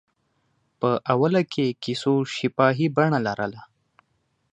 په اوله کې کیسو شفاهي بڼه لرله.